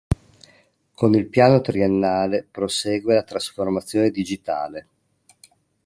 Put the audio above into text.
Con il Piano Triennale prosegue la trasformazione digitale.